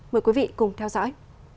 mời quý vị cùng theo dõi